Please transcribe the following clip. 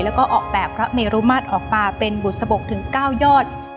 แล้วก็ออกแบบพระเมรุมาตรออกมาเป็นบุษบกถึง๙ยอด